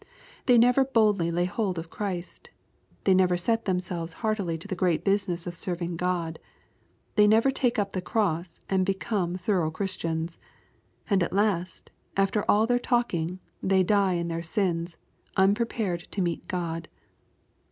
They never boldly lay hojd of Christ. They rfever_set them selves heartily to the great business of serving God. They never take up the cross and become thorough Christians. And at last, after all their talking, they die in their sins, unprepared to meet God.